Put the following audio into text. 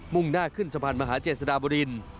่งหน้าขึ้นสะพานมหาเจษฎาบริน